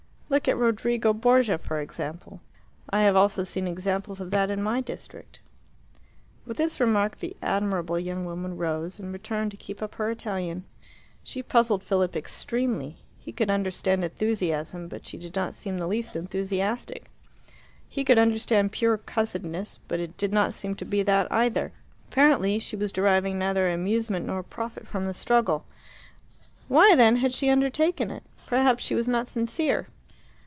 Look at Rodrigo Borgia, for example." "I have also seen examples of that in my district." With this remark the admirable young woman rose, and returned to keep up her Italian. She puzzled Philip extremely. He could understand enthusiasm, but she did not seem the least enthusiastic. He could understand pure cussedness, but it did not seem to be that either. Apparently she was deriving neither amusement nor profit from the struggle. Why, then, had she undertaken it? Perhaps she was not sincere.